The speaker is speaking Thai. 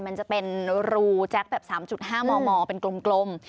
มันจะเป็นรูแจ็คแบบ๓๕มเป็นกลม